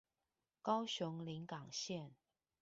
高雄臨港線